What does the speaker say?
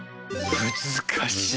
難しい。